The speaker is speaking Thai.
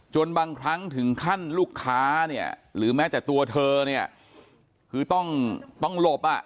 บางครั้งถึงขั้นลูกค้าเนี่ยหรือแม้แต่ตัวเธอเนี่ยคือต้องต้องหลบอ่ะ